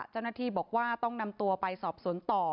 เจ้าหน้าที่บอกว่าต้องนำตัวไปสอบสวนต่อ